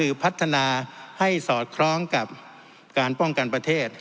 คือพัฒนาให้สอดคล้องกับการป้องกันประเทศ